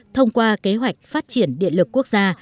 thông qua kế hoạch phát triển điện lực quốc gia